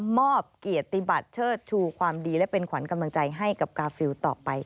มอบเกียรติบัติเชิดชูความดีและเป็นขวัญกำลังใจให้กับกาฟิลต่อไปค่ะ